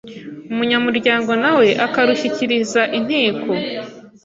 umunyamuryango nawe akarushyikiriza Inteko